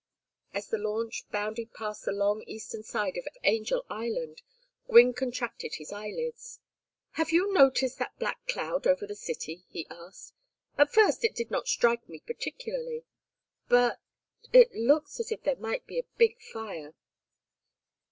As the launch bounded past the long eastern side of Angel Island, Gwynne contracted his eyelids. "Have you noticed that black cloud over the city?" he asked. "At first it did not strike me particularly but it looks as if there might be a big fire."